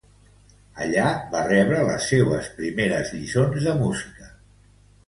Allà va rebre les seues primeres lliçons de música.